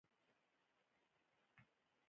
خدای مهربان دی ژر به له خیره ښه شې.